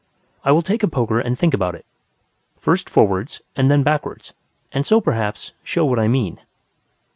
I will take a poker and think about it; first forwards and then backwards; and so, perhaps, show what I mean.